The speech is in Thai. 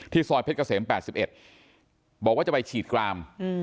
ซอยเพชรเกษม๘๑บอกว่าจะไปฉีดกราม